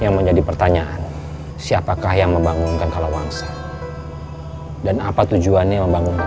yang menjadi pertanyaan siapakah yang membangunkan kalau langsung dan apa tujuannya membangun